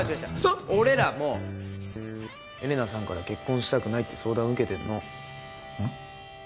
俺らもエレナさんから結婚したくないって相談を受けてんの。